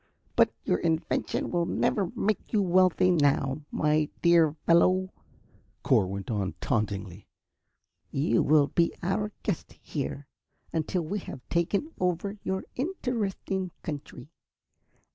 "But your invention will never make you wealthy now, my dear fellow," Cor went on, tauntingly. "You will be our guest, here, until we have taken over your interesting country.